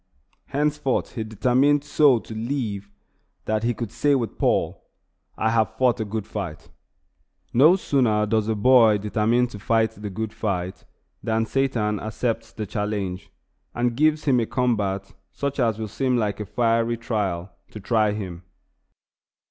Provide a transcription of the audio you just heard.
Henceforth he determined so to live that he could say with Paul, "I have fought a good fight." No sooner does a boy determine to fight the good fight than Satan accepts the challenge, and gives him a combat such as will seem like a "fiery trial" to try him.